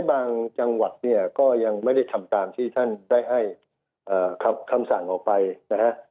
บางจังหวัดเนี่ยก็ยังไม่ได้ทำตามที่ท่านได้ให้คำสั่งออกไปนะฮะ